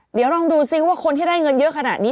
เดี๋ยวลองดูซิว่าคนที่ได้เงินเยอะขนาดนี้